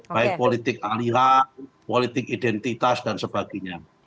baik politik aliran politik identitas dan sebagainya